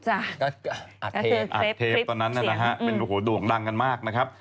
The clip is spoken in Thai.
อัดเทปตอนนั้นนะครับเป็นโหด่งดังกันมากนะครับ